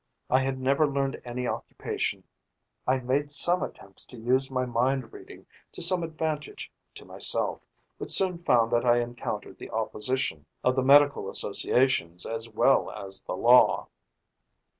I had never learned any occupation. I made some attempts to use my mind reading to some advantage to myself, but soon found that I encountered the opposition of the medical associations as well as the law.